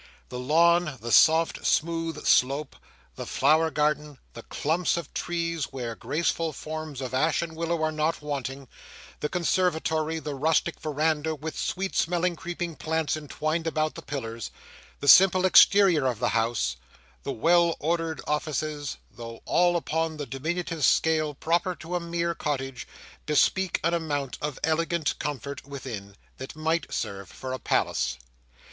The lawn, the soft, smooth slope, the flower garden, the clumps of trees where graceful forms of ash and willow are not wanting, the conservatory, the rustic verandah with sweet smelling creeping plants entwined about the pillars, the simple exterior of the house, the well ordered offices, though all upon the diminutive scale proper to a mere cottage, bespeak an amount of elegant comfort within, that might serve for a palace.